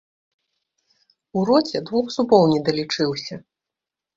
У роце двух зубоў недалічыўся.